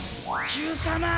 『Ｑさま！！』。